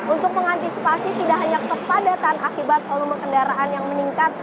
untuk mengantisipasi tidak hanya kepadatan akibat volume kendaraan yang meningkat